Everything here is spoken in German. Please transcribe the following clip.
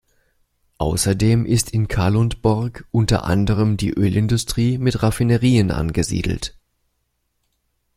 Außerdem ist in Kalundborg unter anderem die Ölindustrie mit Raffinerien angesiedelt.